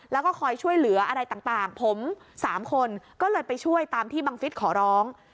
แล้วก็คอยช่วยเหลืออะไรต่างผม๓คนก็เลยไปช่วยตามที่บังฟิศขอร้อง